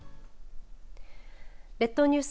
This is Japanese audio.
列島ニュース